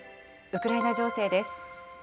ウクライナ情勢です。